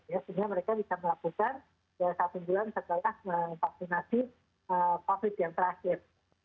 sehingga mereka bisa melakukan setelah satu bulan setelah vaksinasi covid yang terakhir